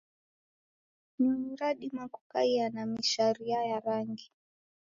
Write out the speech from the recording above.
Nyonyi radima kukaia na misharia ya rangi.